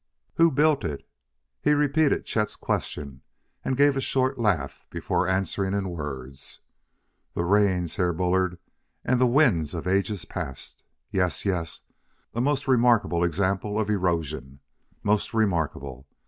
"Who built it?" He repeated Chet's question and gave a short laugh before answering in words. "The rains, Herr Bullard, and the winds of ages past. Yes, yes! A most remarkable example of erosion most remarkable!